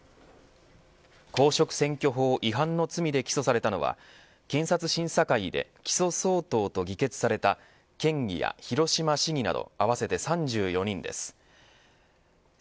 公職選挙法違反の罪で起訴されたのは検察審査会で起訴相当と議決された県議や広島市議など合わせて３４人です。